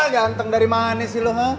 ganteng dari mana sih lo ha